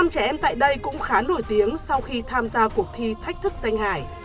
năm trẻ em tại đây cũng khá nổi tiếng sau khi tham gia cuộc thi thách thức danh hài